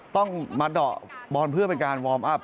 ต้องมาเดาะบอลเพื่อเป็นการวอร์มอัพ